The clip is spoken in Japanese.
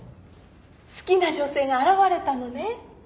好きな女性が現れたのね？